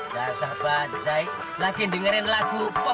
dasar bajaj lagi dengerin lagu pop